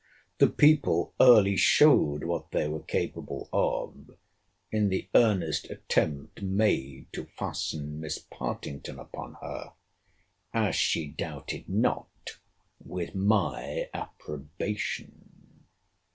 The people early showed what they were capable of, in the earnest attempt made to fasten Miss Partington upon her; as she doubted not, with my approbation.